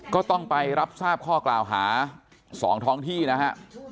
ก็ต้องไปรับทราบข้อกล่าวหา๒ท้องที่นะฮะ